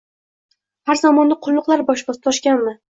Har zamonda qulluqlar tosh bosganmikan?